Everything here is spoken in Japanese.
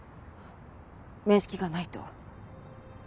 面識がないと。